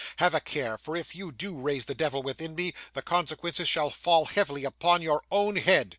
Have a care; for if you do raise the devil within me, the consequences shall fall heavily upon your own head!